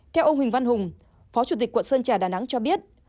theo ông huỳnh văn hùng phó chủ tịch quận sơn trà đà nẵng cho biết